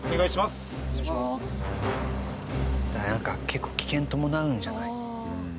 結構危険伴うんじゃない？